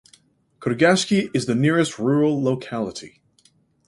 Kurgashki is the nearest rural locality.